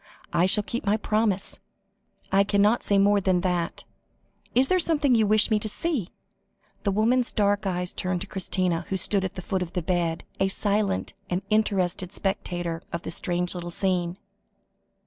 "I shall keep my promise. I cannot say more than that. Is there someone you wish me to see?" The woman's dark eyes turned to Christina, who stood at the foot of the bed, a silent and interested spectator of the strange little scene.